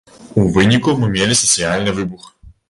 У выніку мы мелі сацыяльны выбух.